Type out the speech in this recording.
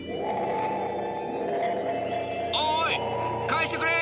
おい帰してくれ！